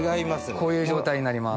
こういう状態になります。